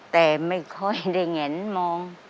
แต่ไม่ค่อยได้แงนมอง